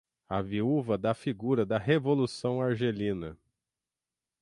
a viúva da figura da revolução argelina